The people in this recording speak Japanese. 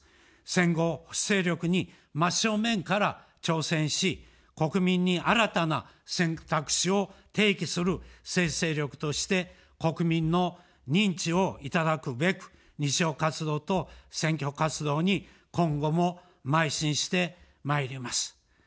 戦後、保守勢力に真正面から挑戦し、国民に新たな選択肢を提起する政治勢力として国民の認知をいただくべく、日常活動と選挙活動に今後もまい進してまいります。